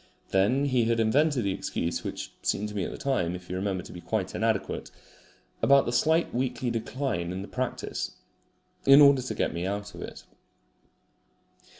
Then he had invented the excuse (which seemed to me at the time, if you remember, to be quite inadequate) about the slight weekly decline in the practice in order to get me out of it.